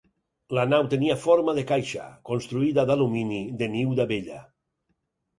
La nau tenia forma de caixa, construïda d'alumini de niu d'abella.